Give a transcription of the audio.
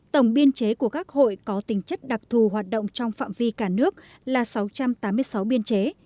tổng biên chế của các hội có tính chất đặc thù hoạt động trong phạm vi cả nước là sáu trăm tám mươi sáu biên chế